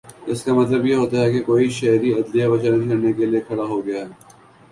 اس کا مطلب یہ ہوتا ہے کہ کوئی شہری عدلیہ کو چیلنج کرنے کے لیے کھڑا ہو گیا ہے